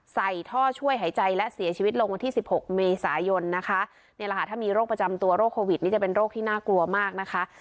ใส่ท่อช่วยหายใจและเสียชีวิตลงวันที่สิบหกเมษายนนะคะนี่แหละค่ะถ้ามีโรคประจำตัวโรคโควิดนี่จะเป็นโรคที่น่ากลัวมากนะคะ